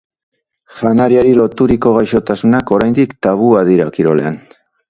Janariari loturiko gaixotasunak oraindik tabua dira kirolean.